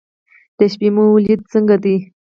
د شپې مو لید څنګه دی؟